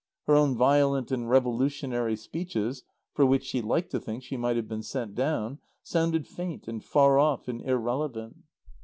Her own violent and revolutionary speeches (for which she liked to think she might have been sent down) sounded faint and far off and irrelevant.